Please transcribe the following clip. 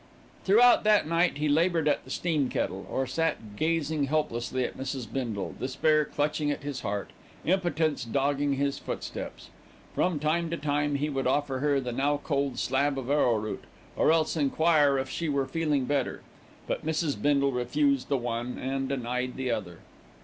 Throughout that night he laboured at the steam kettle, or sat gazing helplessly at Mrs. Bindle, despair clutching at his heart, impotence dogging his footsteps. From time to time he would offer her the now cold slab of arrowroot, or else enquire if she were feeling better; but Mrs. Bindle refused the one and denied the other.